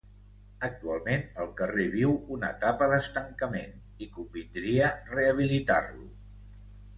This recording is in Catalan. Actualment el carrer viu una etapa d'estancament i convindria rehabilitar-lo.